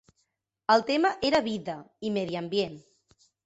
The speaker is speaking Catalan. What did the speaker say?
El tema era Vida i medi ambient.